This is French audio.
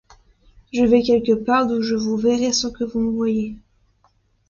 Je vais quelque part d’où je vous verrai sans que vous me voyiez.